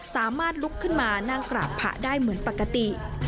สามารถลุกขึ้นมานั่งกราบพระได้เหมือนปกติ